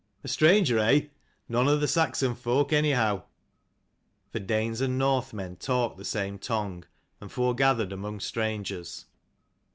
A stranger, eh? none of the Saxon folk anyhow." For Danes and Northmen talked the same tongue, and fore gathered among strangers.